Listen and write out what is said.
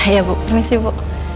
ya bu permisi bu